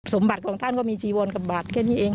สมบัติของท่านก็มีจีวรกับบัตรแค่นี้เอง